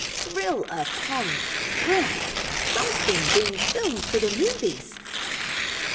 Thrill upon thrill: something being filmed for the movies!